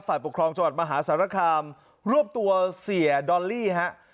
ปกครองจังหวัดมหาสารคามรวบตัวเสียดอลลี่ฮะ